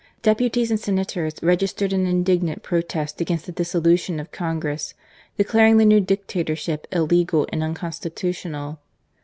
Deputies and senators registered an indignant protest against the dissolu tion of Congress, declaring the new Dictatorship illegal and unconstitutional.